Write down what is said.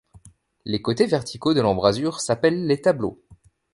Les côtés verticaux de l'embrasure s’appellent les tableaux.